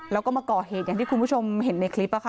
แล้วก็มาก่อเหตุอย่างที่คุณผู้ชมเห็นในคลิป